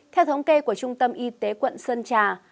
theo thống kê của trung tâm y tế quận sơn trà